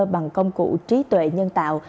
bằng công cụ trí tuệ nhân tạo